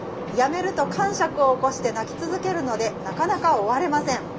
やめるとかんしゃくを起こして泣き続けるのでなかなか終われません。